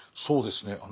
そうですね